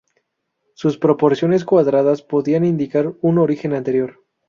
Sus proporciones cuadradas podría indicar un origen anterior.